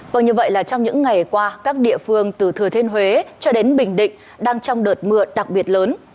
vâng như vậy là trong những ngày qua các địa phương từ thừa thiên huế cho đến bình định đang trong đợt mưa đặc biệt lớn